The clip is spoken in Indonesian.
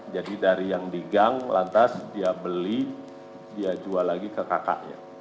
jadi dari yang di gang lantas dia beli dia jual lagi ke kakaknya